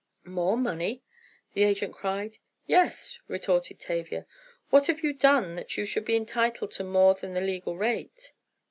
"More money?" the agent cried. "Yes," retorted Tavia. "What have you done that you should be entitled to more than the legal rate?"